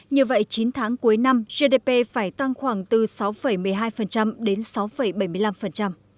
như vậy chín tháng cuối năm gdp phải tăng khoảng từ sáu một mươi hai đến sáu bảy mươi năm